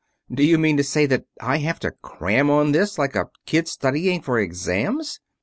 Do you mean to say that I have to cram on this like a kid studying for exams?